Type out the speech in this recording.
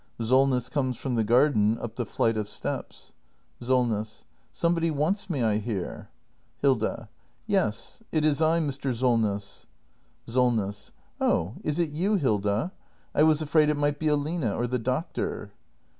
Sol ness comes from the garden, up the flight of steps. Solness. Somebody wants me, I hear. Hilda. Yes; it is I, Mr. Solness. Solness. Oh, is it you, Hilda ? I was afraid it might be Aline or the Doctor.